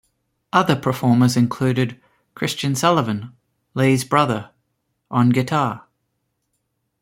Other performers include Kristian Sullivan, Lee's brother, on guitar.